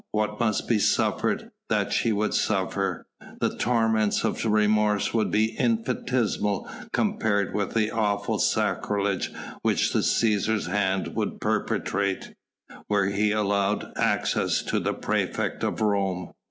What must be suffered, that she would suffer: the torments of remorse would be infinitesimal compared with the awful sacrilege which the Cæsar's hand would perpetrate, were he allowed access to the praefect of Rome.